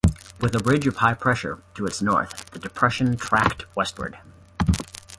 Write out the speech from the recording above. With a ridge of high pressure to its north, the depression tracked westward.